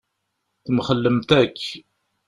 Temxellemt akk.